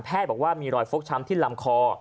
บอกว่ามีรอยฟกช้ำที่ลำคอ